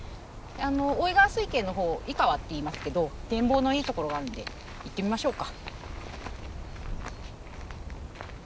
大井川水系の方井川っていいますけど展望のいいところがあるんで行ってみましょうか。